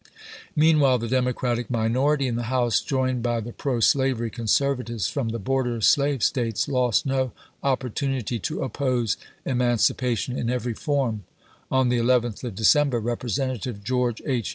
Meanwhile the Democratic minority in the House, joined by the pro slavery conserva tives from the border slave States, lost no oppor tunity to oppose emancipation in every form. On the 11th of December Representative George H.